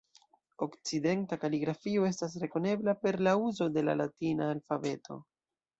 Okcidenta kaligrafio estas rekonebla per la uzo de la latina alfabeto.